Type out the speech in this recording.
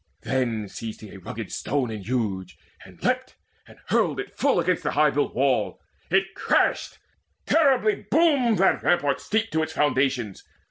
Then seized he a rugged stone and huge, and leapt And hurled it full against the high built wall. It crashed, and terribly boomed that rampart steep To its foundations.